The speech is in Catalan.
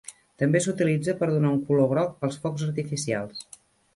També s'utilitza per donar un color groc als focs artificials.